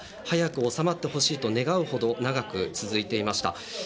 早く収まってほしいと願うほど長く続いていました。